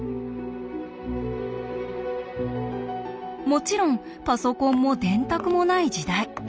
もちろんパソコンも電卓もない時代。